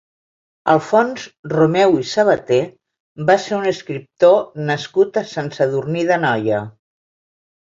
Alfons Romeu i Sabater va ser un escriptor nascut a Sant Sadurní d'Anoia.